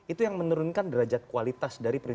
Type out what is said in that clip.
itu yang menurunkan derajat kualitas dari prinsip mereka